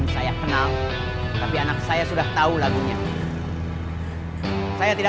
segala ada yang muslim